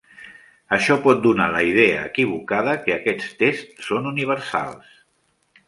Això pot donar la idea equivocada que aquests tests són universals.